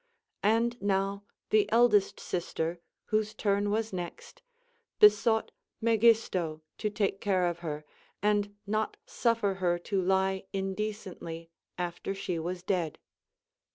And now the eldest sister, whose turn was next, besought Megisto to take care of her, and not suffer her to lie indecently after slie was dead.